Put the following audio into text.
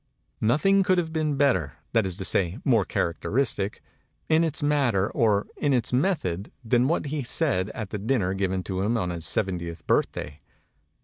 Nothing could have been better that is to say, more characteristic in its matter or in its method than what he said at the dinner given to him on his seventieth birthday.